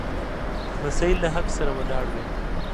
لمسی له حق سره ولاړ وي.